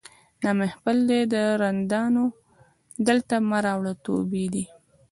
دا محفل دی د رندانو دلته مه راوړه توبې دي